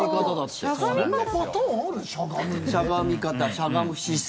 しゃがむ姿勢。